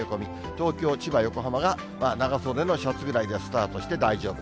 東京、千葉、横浜が長袖のシャツぐらいでスタートして大丈夫。